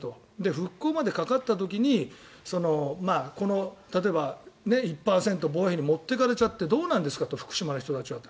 復興までかかった時に例えば１％防衛費に持っていかれちゃってどうなんですかと福島の人たちはと。